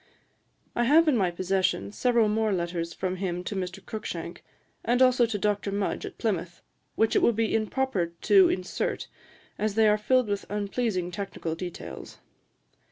I have in my possession several more letters from him to Mr. Cruikshank, and also to Dr. Mudge at Plymouth, which it would be improper to insert, as they are filled with unpleasing technical details.